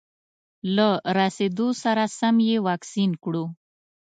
له رسېدو سره سم یې واکسین کړو.